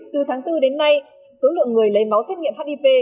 từ tháng bốn đến nay số lượng người lấy máu xét nghiệm hip